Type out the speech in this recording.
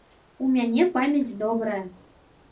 У мяне памяць добрая.